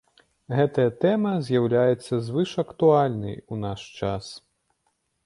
Гэтая тэма з'яўляецца звышактуальнай у наш час.